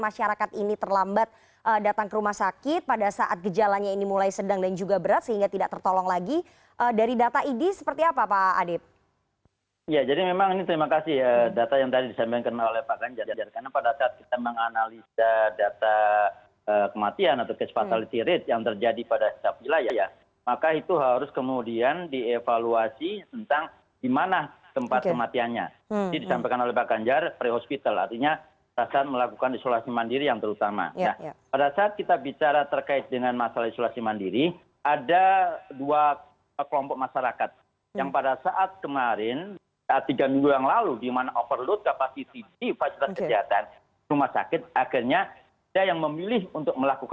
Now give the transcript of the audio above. selamat sore mbak rifana